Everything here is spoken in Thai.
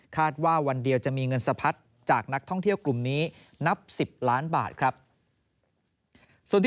ว่าวันเดียวจะมีเงินสะพัดจากนักท่องเที่ยวกลุ่มนี้นับ๑๐ล้านบาทครับ